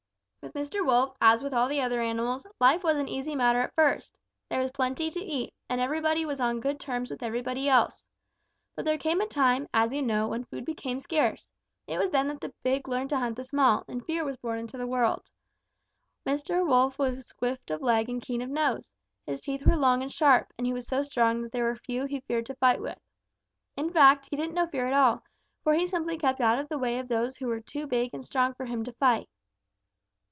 "With Mr. Wolf, as with all the other animals, life was an easy matter at first. There was plenty to eat, and everybody was on good terms with everybody else. But there came a time, as you know, when food became scarce. It was then that the big learned to hunt the small, and fear was born into the world. Mr. Wolf was swift of leg and keen of nose. His teeth were long and sharp, and he was so strong that there were few he feared to fight with. In fact, he didn't know fear at all, for he simply kept out of the way of those who were too big and strong for him to fight.